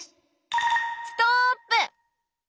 ストップ。